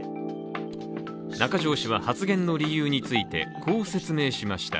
中条氏は発言の理由についてこう説明しました。